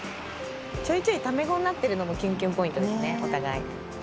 ちょいちょいタメ語になってるのもキュンキュンポイントですねお互い。